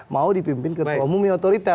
mau dipimpin ketua umumnya otorita